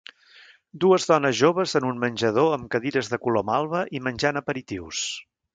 Dues dones joves en un menjador amb cadires de color malva i menjant aperitius.